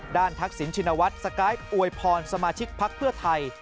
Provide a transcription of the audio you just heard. ทักษิณชินวัฒน์สกายอวยพรสมาชิกพักเพื่อไทย